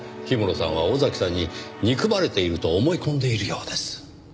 氷室さんは尾崎さんに憎まれていると思い込んでいるようです。